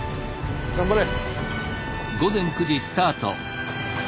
頑張れ！